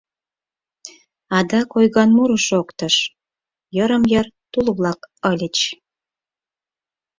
Адак ойган муро шоктыш, йырым-йыр тул-влак ыльыч.